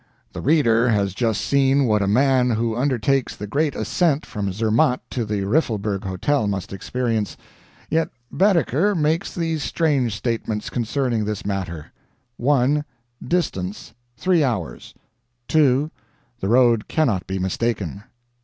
The reader has just seen what a man who undertakes the great ascent from Zermatt to the Riffelberg Hotel must experience. Yet Baedeker makes these strange statements concerning this matter: 1. Distance 3 hours. 2. The road cannot be mistaken.